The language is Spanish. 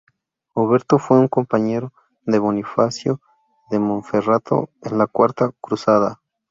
Oberto fue un compañero de Bonifacio de Montferrato en la Cuarta Cruzada.